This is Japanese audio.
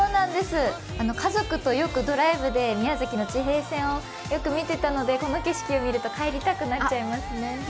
家族とよくドライブで宮崎の地平線を見ていたのでこの景色を見ると帰りたくなっちゃいますね。